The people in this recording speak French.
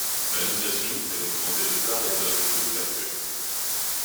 L'Annonciation est représentée de part et d'autre de l'ouverture.